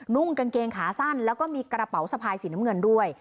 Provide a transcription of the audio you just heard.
นุ่งกางเกงขาสั้นแล้วก็มีกระเป๋าสะพายสีน้ำเงินด้วย